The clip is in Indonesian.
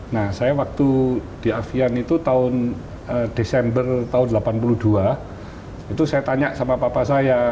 nah saya waktu di avian itu tahun desember tahun seribu sembilan ratus delapan puluh dua itu saya tanya sama papa saya